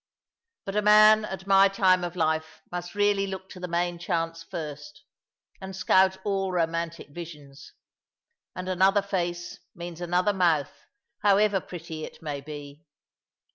But a man at my time of life must really look to the main chance first, and scout all romantic visions; and another face means another mouth, however pretty it may be.